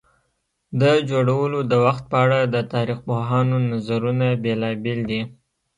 د جوړولو د وخت په اړه د تاریخ پوهانو نظرونه بېلابېل دي.